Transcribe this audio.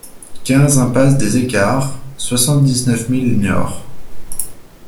quinze impasse des Equarts, soixante-dix-neuf mille Niort